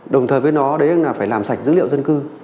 đồng thời với nó phải làm sạch dữ liệu dân cư